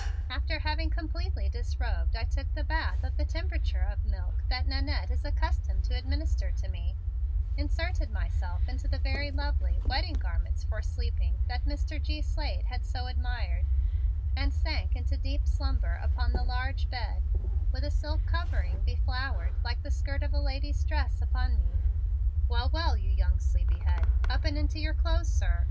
After having completely disrobed I took the bath of the temperature of milk that Nannette is accustomed to administer to me, inserted myself in the very lovely 'wedding' garments for sleeping that Mr. G. Slade had so admired, and sank into deep slumber upon the large bed with a silk covering beflowered like the skirt of a lady's dress upon me. "Well, well, you young sleepyhead, up and into your clothes, sir.